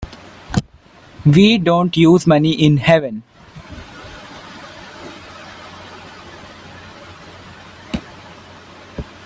We don't use money in heaven.